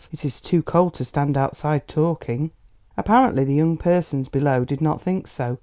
It is too cold to stand outside talking." Apparently the young persons below did not think so.